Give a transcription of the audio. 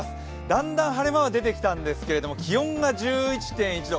だんだん晴れ間が出てきたんですけれども、気温が１１．１度。